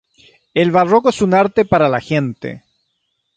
El barroco es un arte para la gente.